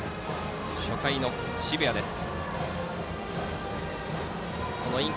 初回の澁谷です。